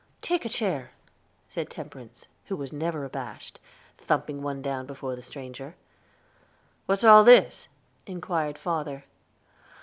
"Take a chair," said Temperance, who was never abashed, thumping one down before the stranger. "What is all this?" inquired father.